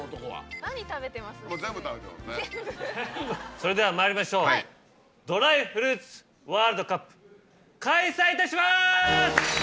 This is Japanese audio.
それではまいりましょうドライフルーツワールドカップ開催いたします！